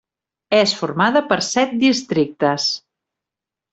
És formada per set districtes.